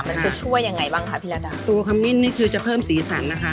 มันช่วยช่วยยังไงบ้างค่ะพี่ระดาบตัวข้ามมิ่นนี่คือจะเพิ่มสีสันนะคะ